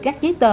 các giấy tờ